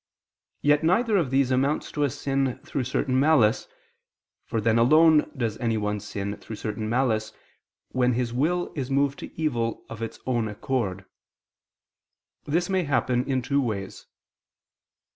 Yet neither of these amounts to a sin through certain malice; for then alone does anyone sin through certain malice, when his will is moved to evil of its own accord. This may happen in two ways.